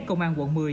công an quận một mươi